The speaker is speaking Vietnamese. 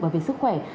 và về sức khỏe